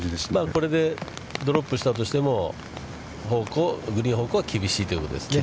これでドロップしたとしても、グリーン方向は厳しいということですね。